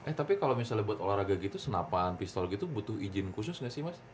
eh tapi kalau misalnya buat olahraga gitu senapan pistol gitu butuh izin khusus nggak sih mas